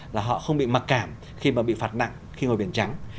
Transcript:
là họ không bị mặc cảm khi mà bị phạt nặng khi ngồi biển trắng